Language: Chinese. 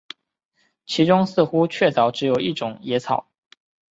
其中似乎确凿只有一些野草